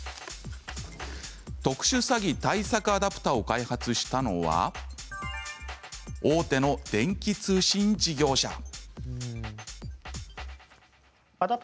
特殊詐欺対策アダプタを開発したのは大手の電気通信事業者。